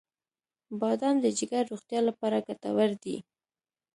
• بادام د جګر روغتیا لپاره ګټور دی.